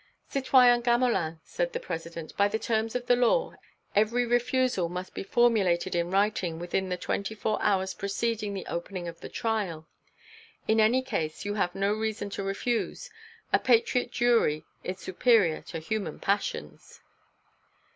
"Citoyen Gamelin," said the President, "by the terms of the law, every refusal must be formulated in writing within the twenty four hours preceding the opening of the trial. In any case, you have no reason to refuse; a patriot jury is superior to human passions."